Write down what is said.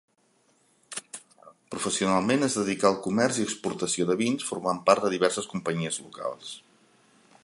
Professionalment es dedicà al comerç i exportació de vins, formant part de diverses companyies locals.